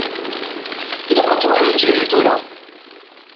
Ilaq ad tṛuḥem ad tegnem tura.